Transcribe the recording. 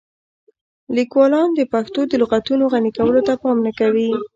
لیکوالان د پښتو د لغتونو غني کولو ته پام نه کوي.